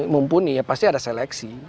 mumpuni ya pasti ada seleksi